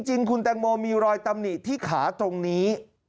จริงคุณแตงโมมีรอยตำหนิที่ขาตรงนี้